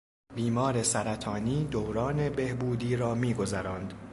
بیمار سرطانی دوران بهبودی را میگذراند.